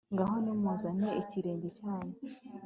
ngaho nimuzane ikirego cyanyu